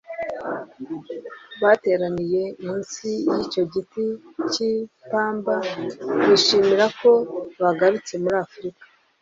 bateraniye munsi y icyo giti cy ipamba bishimira ko bagarutse muri Afurika